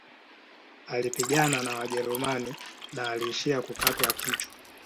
Alipigana na wajerumani na aliishia kukatwa kichwa